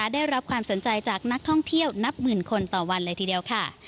ได้รับความสนใจจากนักท่องเที่ยวนับหมื่นคนต่อวันเลยทีเดียวค่ะ